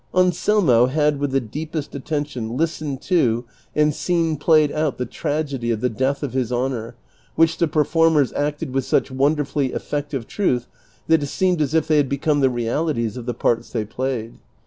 Anselmo had with the deepest attention listened to and seen played out the tragedy of the death of his honor, which the performers acted with such wonderfully eftective truth that it seemed as if they had Ijecome the realities of the parts they played.